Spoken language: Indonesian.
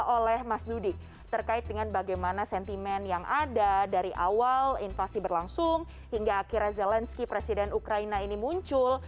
oleh mas dudik terkait dengan bagaimana sentimen yang ada dari awal invasi berlangsung hingga akhirnya zelensky presiden ukraina ini muncul